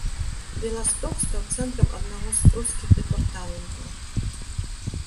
Беласток стаў цэнтрам аднаго з прускіх дэпартаментаў.